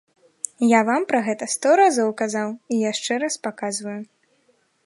Я вам пра гэта сто разоў казаў, і яшчэ раз паказваю.